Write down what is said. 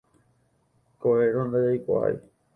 Ko'ẽrõ ndajaikuaái